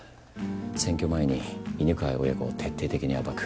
選挙前に犬飼親子を徹底的に暴く。